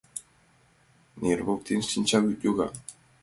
Нер воктен шинчавӱд йога.